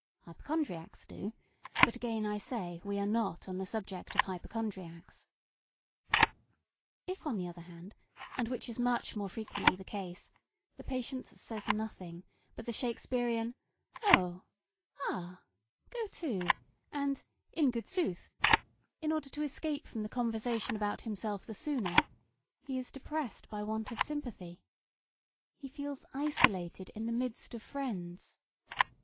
Hypochondriacs do, but again I say we are not on the subject of hypochondriacs. [Sidenote: Absurd consolations put forth for the benefit of the sick.] If, on the other hand, and which is much more frequently the case, the patient says nothing but the Shakespearian "Oh!" "Ah!" "Go to!" and "In good sooth!" in order to escape from the conversation about himself the sooner, he is depressed by want of sympathy. He feels isolated in the midst of friends.